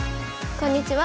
こんにちは。